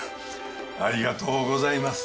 ありがとうございます。